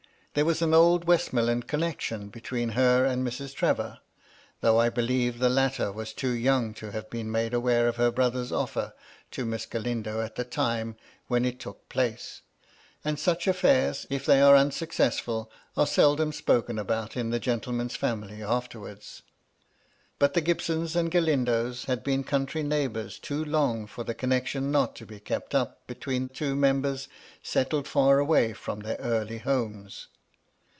There was an old Westmoreland connection between her and Mrs. Trevor, though I believe the latter was too young to have been made aware of her brother's offer to Miss Galindo at the time when it took place ; and such affairs, if they are unsuccessfuji, are seldom spoken about in the gentieman^s family afterwards. But the Gibsons and Galindos had been MY LADY Lin^LOW. 303 county neighbours too long for the connection not to be kept up between two members settled far away from their early homes.